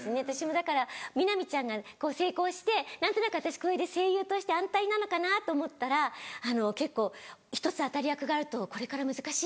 だから南ちゃんが成功して何となく私これで声優として安泰なのかなと思ったら結構「１つ当たり役があるとこれから難しいね」って。